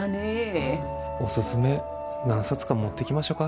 おすすめ何冊か持ってきましょか。